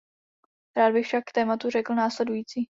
Rád bych však k tématu řekl následující.